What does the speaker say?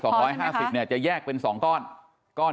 ๒๕๐เนี่ยจะแยกได้เป็นสองก้อน